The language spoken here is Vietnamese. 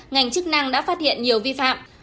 ngành chức năng đã phát hiện nhiều vi phạm